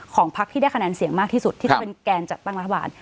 พักที่ได้คะแนนเสียงมากที่สุดที่จะเป็นแกนจัดตั้งรัฐบาล